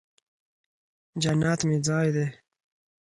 جنت مې ځای دې